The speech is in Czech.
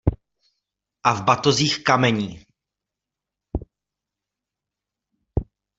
A v batozích kamení.